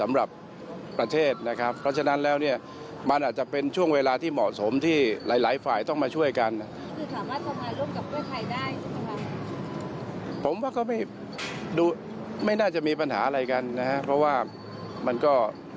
ไม่น่าจะมีปัญหาอะไรกันนะครับเพราะว่ามันก็